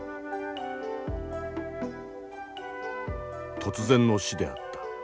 突然の死であった。